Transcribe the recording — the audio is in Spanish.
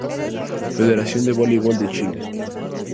Federación de Voleibol de Chile